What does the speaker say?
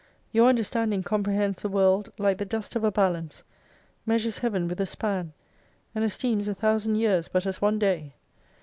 Your understanding comprehends the World like the dust of a balance, measures Heaven with a span, and esteems a thousand years but as one day.